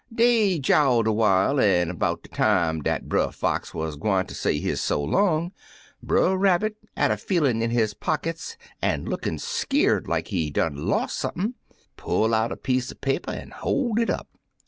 "Dey jower'd awhile, an' 'bout de time dat Brer Fox wuz gwineter say his so long, Brer Rabbit, atter feelin' in his pockets, an' lookin' skeered like he done los' sump'n, pull out a piece cr paper an' hoi' it up.